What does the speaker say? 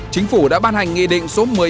chính phủ đã ban hành nghị định số một mươi năm